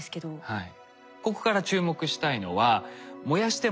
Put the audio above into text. はい。